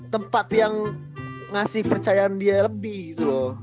tempat yang ngasih percayaan dia lebih gitu loh